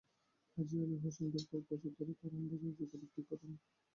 হাজি আলী হোসেন বেশ কয়েক বছর ধরে কারওয়ান বাজারে জুতা বিক্রি করেন।